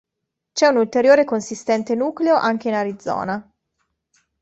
C'è un ulteriore consistente nucleo anche in Arizona.